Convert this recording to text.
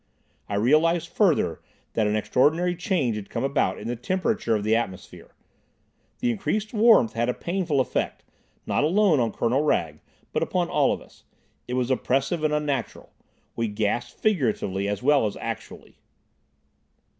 I realised further, that an extraordinary change had come about in the temperature of the atmosphere. The increased warmth had a painful effect, not alone on Colonel Wragge, but upon all of us. It was oppressive and unnatural. We gasped figuratively as well as actually.